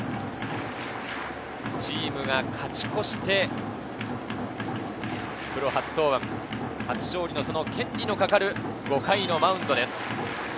チームが勝ち越して、プロ初登板、初勝利のその権利のかかる５回のマウンドです。